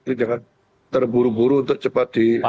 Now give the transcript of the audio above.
itu jangan terburu buru untuk cepat diresmikan